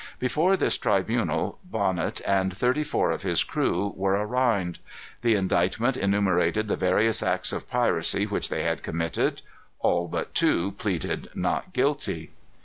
Before this tribunal, Bonnet, and thirty four of his crew, were arraigned. The indictment enumerated the various acts of piracy which they had committed. All but two pleaded not guilty.